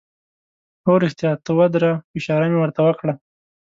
هو، رښتیا ته ودره، اشاره مې ور ته وکړه.